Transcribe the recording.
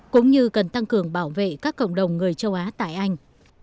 cũng như cần tăng cường bảo vệ các cộng đồng người châu á tại anh